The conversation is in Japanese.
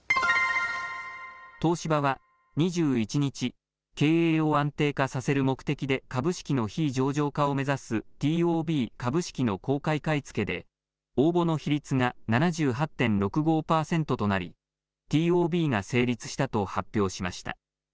東芝は２１日、経営を安定化させる目的で株式の非上場化を目指すＴＯＢ・株式の公開買い付けで応募の比率が７８．６５％となりＴＯＢが成立したと発表しました。